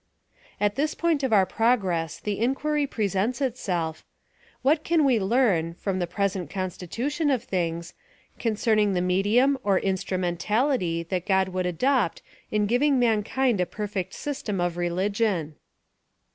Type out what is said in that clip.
At this point of our progress the inquiry presents itself — What can ive Icarn^from the present con stitution of things^ concerning the ^nedium or in strumentality that God would adopt in giving manlxind a perfect system, of religion